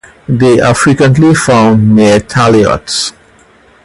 They are frequently found near talayots.